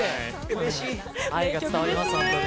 愛が伝わります、本当に。